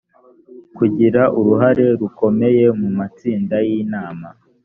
kugira uruhare urukomeye mu matsinda y inama